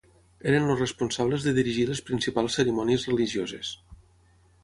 Eren els responsables de dirigir les principals cerimònies religioses.